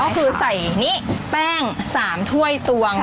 ก็คือใส่นี่แป้ง๓ถ้วยตวง